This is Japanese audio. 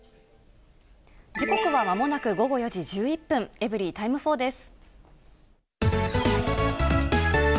時刻はまもなく午後４時１１分、エブリィタイム４です。